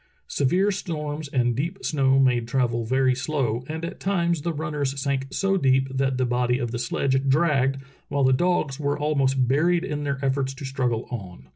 Severe storms and deep snow made travel very slow, and at times the runners sank so deep that the body of the sledge dragged, while the dogs were almost buried in their efforts to struggle on.